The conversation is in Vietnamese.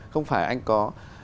không phải anh có